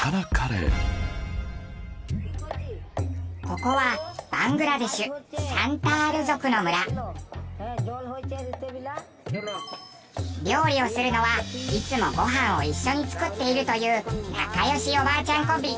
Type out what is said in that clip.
ここはバングラデシュ料理をするのはいつもご飯を一緒に作っているという仲良しおばあちゃんコンビ。